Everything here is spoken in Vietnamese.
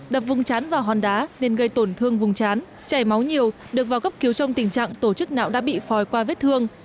đập vùng chán vào hòn đá nên gây tổn thương vùng chán chảy máu nhiều được vào cấp cứu trong tình trạng tổ chức nạo đã bị phòi qua vết thương